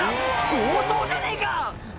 強盗じゃねえか！